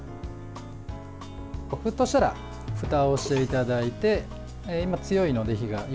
沸騰したらふたをしていただいて今、強いので、火が。